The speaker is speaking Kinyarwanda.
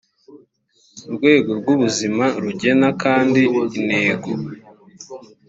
rwego rw ubuzima rigena kandi intego